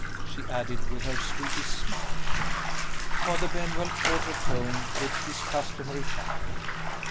she added, with her sweetest smile. Father Benwell caught her tone, with his customary tact.